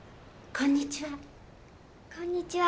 こんにちは。